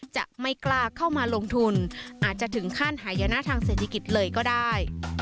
จะไม่กล้าเข้ามาลงทุนอาจจะถึงขั้นหายนะทางเศรษฐกิจเลยก็ได้